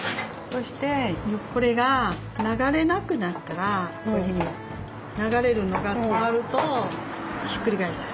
そしてこれが流れなくなったらこういうふうに流れるのが止まるとひっくり返す。